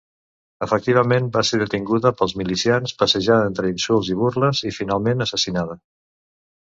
Efectivament, va ser detinguda pels milicians, passejada entre insults i burles, i finalment assassinada.